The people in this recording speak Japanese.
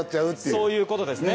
そういうことですね